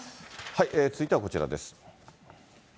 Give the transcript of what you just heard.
続いてはこちらです。